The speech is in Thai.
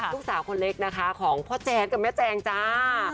ลูกสาวคนเล็กนะคะของพ่อแจ๊ดกับแม่แจงจ้า